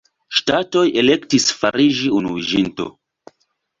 Ŝtatoj elektis fariĝi unuiĝinto.